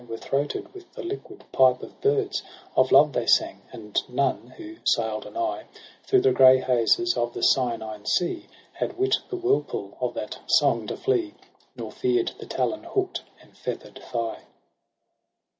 Were throated with the liquid pipe of birds : Of love they sang ; and none, who saU'd anigh Through the grey hazes of the cyanine sea. Had wit the whirlpool of that song to flee. Nor fear'd the talon hook'd and feather'd thigh.